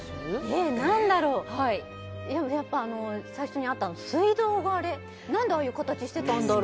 えっ何だろうやっぱ最初にあった水道が何でああいう形してたんだろう